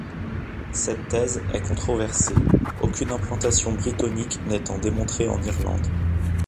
Cette thèse est controversée, aucune implantation brittonique n'étant démontrée en Irlande.